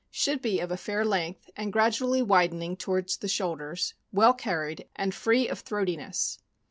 — Should be of a fair length, and gradually widen ing toward the shoulders, well carried, and free of throati ness.